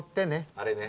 あれね。